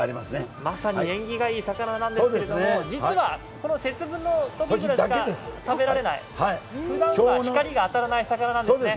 まさに縁起がいい魚なんですけれども実はこの節分のときだけしか食べられない、ふだんは光が当たらない魚なんですね。